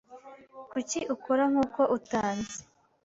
Kuki ukora nkuko utanzi?